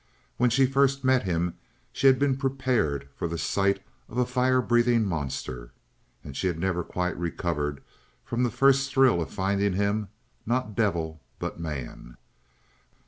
When she first met him she had been prepared for the sight of a firebreathing monster; and she had never quite recovered from the first thrill of finding him not devil but man.